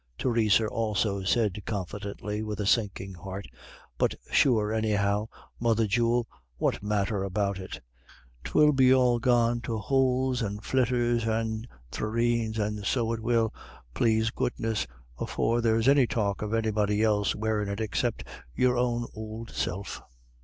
Theresa also said confidently with a sinking heart, "But sure, anyhow, mother jewel, what matter about it? 'Twill be all gone to houles and flitters and thraneens, and so it will, plase goodness, afore there's any talk of anybody else wearin' it except your own ould self."